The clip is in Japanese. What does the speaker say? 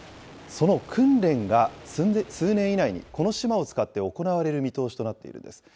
その訓練が数年以内にこの島を使って行われる見通しとなっているんです。